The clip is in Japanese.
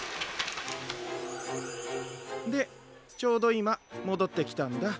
でちょうどいまもどってきたんだ。